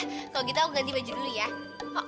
yaudah kalau gitu aku ganti baju dulu ya